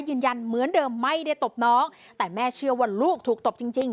ยืนยันเหมือนเดิมไม่ได้ตบน้องแต่แม่เชื่อว่าลูกถูกตบจริงจริง